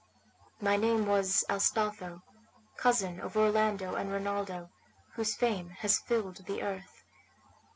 My name was Astolpho, cousin of Orlando and Rinaldo, whose fame has filled the earth.